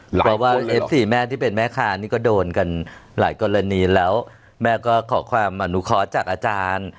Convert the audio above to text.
เพราะว่าเอฟซีแม่ที่เป็นแม่ค้านี่ก็โดนกันหลายกรณีแล้วแม่ก็ขอความอนุเคราะห์จากอาจารย์